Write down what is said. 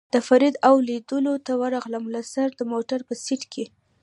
د فرید او لېدلو ته ورغلم، له سره د موټر په سېټ کې.